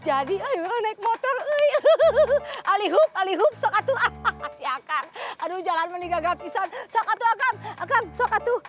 jadi naik motor alihub alihub sokatu ahakan aduh jalan meninggal gapisan sokatu akan akan sokatu